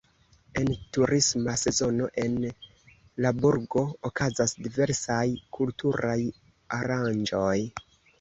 En turisma sezono en la burgo okazas diversaj kulturaj aranĝoj.